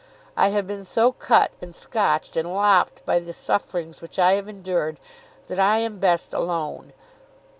I have been so cut and scotched and lopped by the sufferings which I have endured that I am best alone.